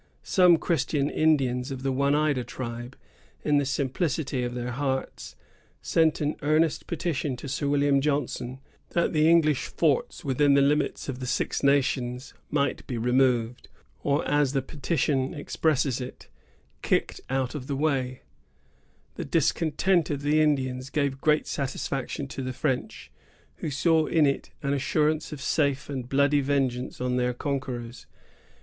Some Christian Indians of the Oneida tribe, in the simplicity of their hearts, sent an earnest petition to Sir William Johnson, that the English forts within the limits of the Six Nations might be removed, or, as the petition expresses it, kicked out of the way. The discontent of the Indians gave great satisfaction to the French, who saw in it an assurance of safe and bloody vengeance on their conquerors.